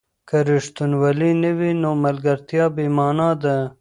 که ریښتینولي نه وي، نو ملګرتیا بې مانا ده.